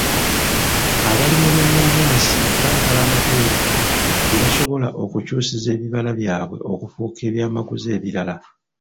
Abalimi b'ennaanansi baagala amakolero gye basobola okukyusiza ebibala byabwe okufuuka ebyamaguzi ebirala.